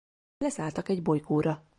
Leszálltak egy bolygóra.